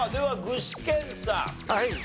具志堅さん